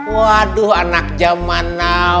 waduh anak zaman now